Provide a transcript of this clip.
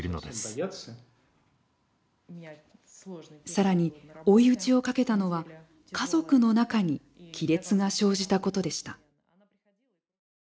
さらに追い打ちをかけたのは、家族の中に亀裂が生じたことでした。